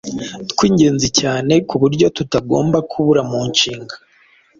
tw’ingenzi cyane ku buryo tutagomba kubura mu nshinga.